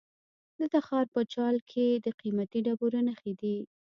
د تخار په چال کې د قیمتي ډبرو نښې دي.